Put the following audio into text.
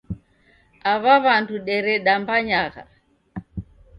Aw'a w'andu deredambanyagha